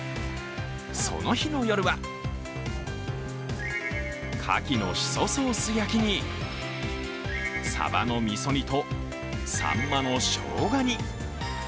その日の夜は、かきのしそソース焼きにさばの味噌煮とさんまのしょうが煮。